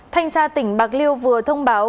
thanh tra tỉnh bạc liêu vừa thông báo